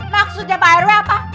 maksudnya pak rw apa